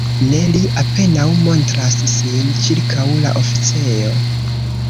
Ne, li apenaŭ montras sin ĉirkaŭ la oficejo.